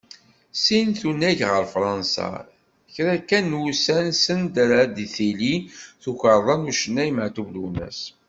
Sin tunag ɣer Fransa, kra kan n wussan send ara d-tili tukerḍa n ucennay Maɛtub Lwennes.